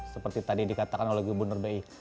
seperti tadi dikatakan oleh gubernur bi